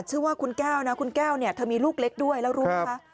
ชื่อว่าคุณแก้วนะคุณแก้วเนี่ยเธอมีลูกเล็กด้วยแล้วรู้ไหมคะ